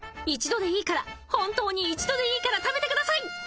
一度でいいから本当に一度でいいから食べてください！